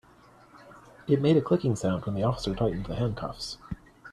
It made a clicking sound when the officer tightened the handcuffs.